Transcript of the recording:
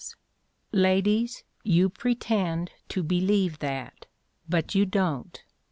Ladies, you pretend to believe that, but you don't.